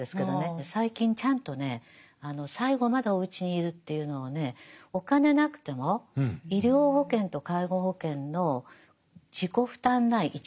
最近ちゃんとね最後までおうちに居るというのをねお金なくても医療保険と介護保険の自己負担内１割ですよ